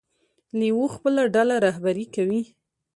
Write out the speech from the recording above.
لیوه خپله ډله رهبري کوي.